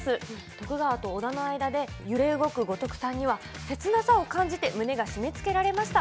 徳川と織田の間で揺れ動く五徳さんには、切なさを感じて胸が締め付けられました。